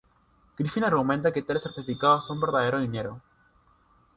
Griffin argumenta que tales certificados son "verdadero dinero".